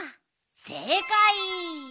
せいかい！